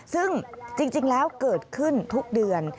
ซึ่งจริงแล้วเกิดขึ้นทุกเดือน